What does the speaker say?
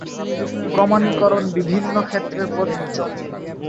প্রমাণীকরণ বিভিন্ন ক্ষেত্রে প্রযোজ্য।